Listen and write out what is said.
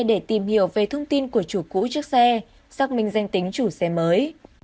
để tìm hiểu về thông tin của chủ cũ chiếc xe xác minh danh tính chủ xe mới